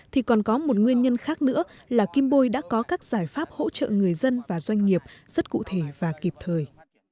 thì còn có một nguyên nhân khác nữa là kim bôi đã có các giải pháp hỗ trợ người dân và doanh nghiệp rất cụ thể và kịp thời